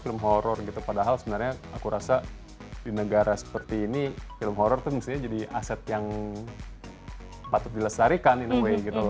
film horror gitu padahal sebenarnya aku rasa di negara seperti ini film horror tuh mestinya jadi aset yang patut dilestarikan in away gitu